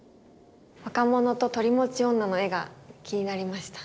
「若者と取り持ち女」の絵が気になりました。